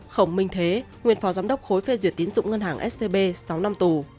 khổng minh thế nguyên phó giám đốc khối phê duyệt tín dụng ngân hàng scb sáu năm tù